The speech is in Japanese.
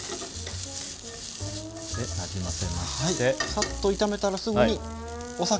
サッと炒めたらすぐにお酒。